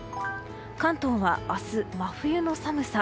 関東は明日、真冬の寒さ。